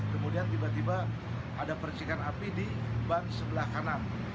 kemudian tiba tiba ada percikan api di ban sebelah kanan